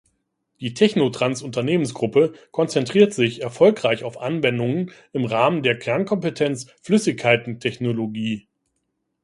Die technotrans-Unternehmensgruppe konzentriert sich erfolgreich auf Anwendungen im Rahmen der Kernkompetenz Flüssigkeiten-Technologie.